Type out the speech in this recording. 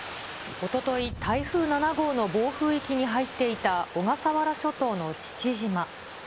おととい、台風７号の暴風域に入っていた小笠原諸島の父島。